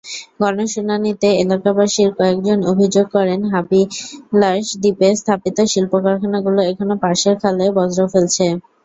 গণশুনানিতে এলাকাবাসীর কয়েকজন অভিযোগ করেন, হাবিলাসদ্বীপে স্থাপিত শিল্পকারখানাগুলো এখনো পাশের খালে বর্জ্য ফেলছে।